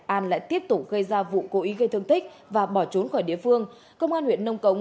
an lại tiếp tục gây ra vụ cố ý gây thương tích và bỏ trốn khỏi địa phương công an huyện nông cống